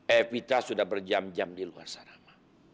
evita sudah berjam jam di luar sarana